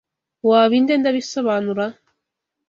Waba ind ndabisobanura?